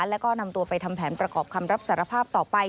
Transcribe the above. แล้วก็นำตัวไปทำแผนประกอบคำรับสารภาพต่อไป